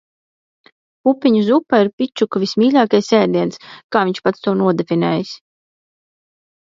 Pupiņu zupa ir Pičuka vismīļākais ēdiens, kā viņš pats to nodefinējis.